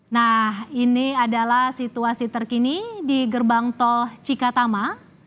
nah ini adalah situasi terkini di gerbang tol cikatama